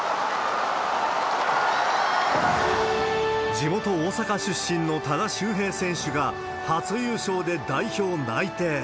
地元、大阪出身の多田修平選手が、初優勝で代表内定。